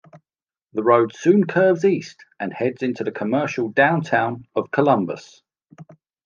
The road soon curves east and heads into the commercial downtown of Columbus.